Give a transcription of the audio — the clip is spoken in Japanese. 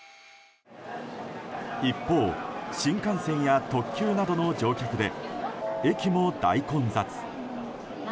一方、新幹線や特急などの乗客で駅も大混雑。